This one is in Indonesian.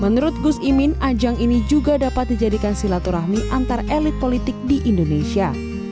menurut gus imin ajang ini juga dapat dijadikan silaturahmi antar elit politik di indonesia